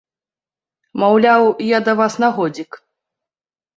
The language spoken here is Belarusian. Маўляў, я да вас на годзік.